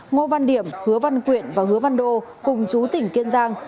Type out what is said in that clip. ngô văn điểm hứa văn quyện và hứa văn đô cùng chú tỉnh kiên giang